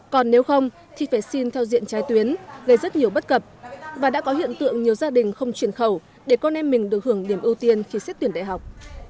còn nếu không thì phải xin theo diện trái tuyến gây rất nhiều bất cập và đã có hiện tượng nhiều gia đình không chuyển khẩu để con em mình được hưởng niềm ưu tiên khi xét tuyển đại học